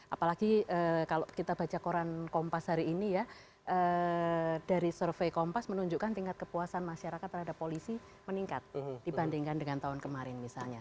apalagi kalau kita baca koran kompas hari ini ya dari survei kompas menunjukkan tingkat kepuasan masyarakat terhadap polisi meningkat dibandingkan dengan tahun kemarin misalnya